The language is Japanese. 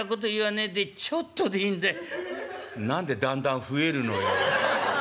「何でだんだん増えるのよ。